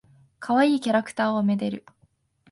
かわいいキャラクターを愛でる。